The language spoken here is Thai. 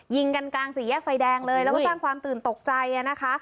ยิงกันกลางสี่แยกไฟแดงเลยแล้วก็สร้างความตื่นตกใจนะคะ